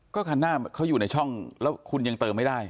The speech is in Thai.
ก็คันหน้าเขาอยู่ในช่องแล้วคุณยังเติมไม่ได้